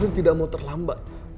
afif tidak mau terlambat